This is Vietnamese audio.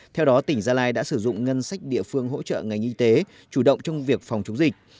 theo đó tỉnh gia lai đã sử dụng ngân sách địa phương hỗ trợ ngành y tế chủ động trong việc phòng chống dịch